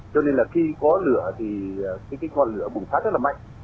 cho nên là khi có lửa thì cái con lửa bùng phát rất là mạnh